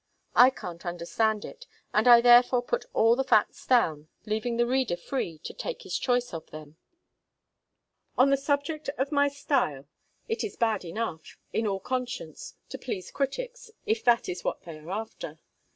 I can't understand it, and I therefore put all the facts down, leaving the reader free to take his choice of them. On the subject of my style, it is bad enough, in all conscience, to please critics, if that is what they are after.